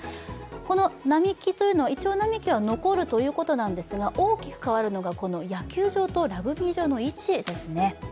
このいちょう並木は残るということなんですが大きく変わるのが野球場とラグビー場の位置ですね。